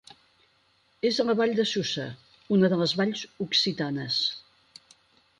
És a la Vall de Susa, una de les Valls Occitanes.